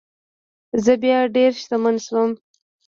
زه بیا ډیر شتمن شوم.